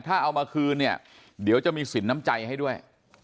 ถ้าเอามาคืนเนี่ยเดี๋ยวจะมีสินน้ำใจให้ด้วย